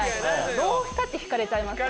どうしたって引かれちゃいます。